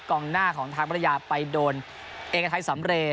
กล้องหน้าของทางบรรยาไปโดนเอกทัศน์สำเรย์